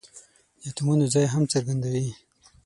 د اتومونو ځای هم څرګندوي.